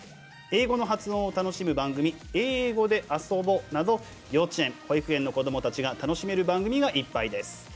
英語の発音を楽しむ番組「えいごであそぼ」など幼稚園、保育園の子どもたちが楽しめる番組がいっぱいです！